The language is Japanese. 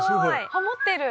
ハモってる！